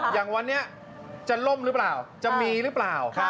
อย่างวันนี้จะล่มหรือเปล่าจะมีหรือเปล่า